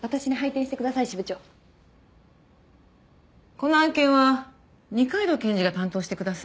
この案件は二階堂検事が担当してください。